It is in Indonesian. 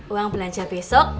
uang belanja besok